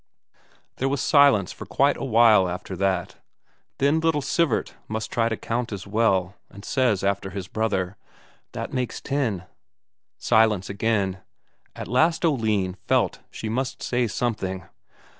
There was silence for quite a while after that. Then little Sivert must try to count as well, and says after his brother: "That makes ten." Silence again. At last Oline felt she must say something.